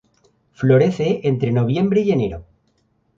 Florece entre noviembre y enero.